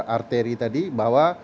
arteri tadi bahwa